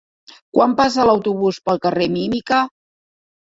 Quan passa l'autobús pel carrer Mímica?